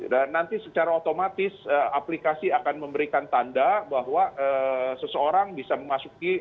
dan nanti secara otomatis aplikasi akan memberikan tanda bahwa seseorang bisa memasuki